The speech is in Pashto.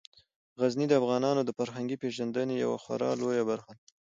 غزني د افغانانو د فرهنګي پیژندنې یوه خورا لویه برخه ده.